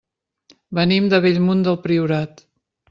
Venim de Bellmunt del Priorat.